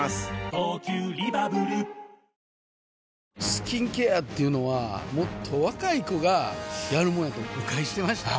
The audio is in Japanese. スキンケアっていうのはもっと若い子がやるもんやと誤解してました